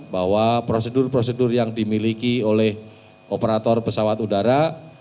bahwa prosedur prosedur yang dimiliki oleh operator pesawat udara